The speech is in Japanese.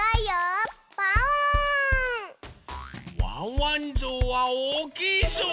ワンワンぞうはおおきいぞう！